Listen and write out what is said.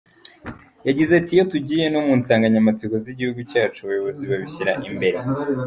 Yagize ati "Iyo tugiye no mu nsanganyamatsiko z’Igihugu cyacu, abayobozi babishyira imbere.